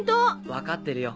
分かってるよ